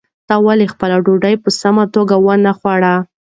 تا ولې خپله ډوډۍ په سمه توګه ونه خوړه؟